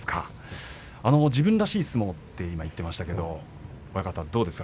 自分らしい相撲と言っていましたけれども、どうですか